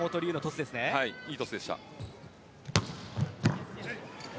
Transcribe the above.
いいトスでした。